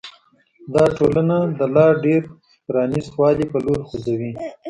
دا ټولنه د لا ډېر پرانیست والي په لور خوځوي.